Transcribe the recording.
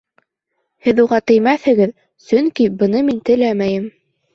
Һеҙ уға теймәҫһегеҙ, сөнки быны мин теләмәйем.